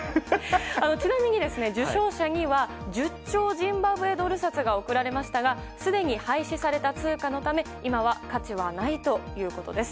ちなみに、受賞者には１０兆ジンバブエドル札が贈られましたがすでに廃止された通貨のため今は価値はないということです。